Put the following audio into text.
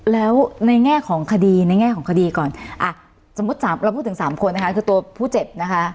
แล้วในแง่ของคดีก่อนเราพูดถึงสามคนคือตัวผู้เจ็บ